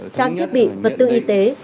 trang thiết bị vật tư y tế